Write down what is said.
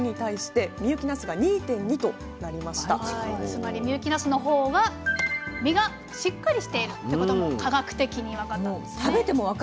つまり深雪なすの方が実がしっかりしているっていうことも科学的に分かったんですね。